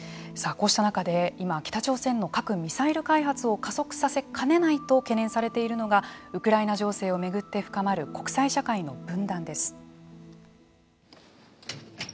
こうした中で今、北朝鮮の核・ミサイル開発を加速しかねないと懸念されているのがウクライナ情勢をめぐって深まる国際情勢の分断です。